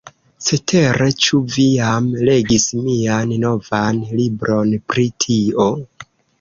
Cetere, ĉu vi jam legis mian novan libron pri tio?